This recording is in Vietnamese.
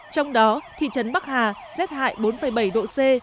trong đó thị trấn bắc hà rét hại bốn bảy độ c